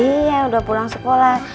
iya udah pulang sekolah